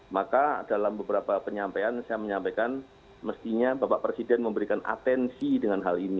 maka dalam beberapa penyampaian saya menyampaikan mestinya bapak presiden memberikan atensi dengan hal ini